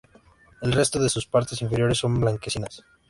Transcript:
El resto de sus partes inferiores son blanquecinas.